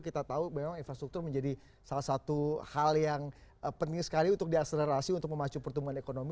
kita tahu memang infrastructure menjadi salah satu hal yang penting sekali untuk diakseserasi mem initi menjalani ekonomi